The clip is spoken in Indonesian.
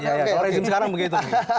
ya ya kalau rezim sekarang begitu